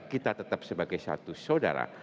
kita tetap sebagai satu saudara